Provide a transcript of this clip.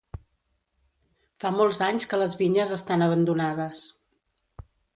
Fa molts anys que les vinyes estan abandonades.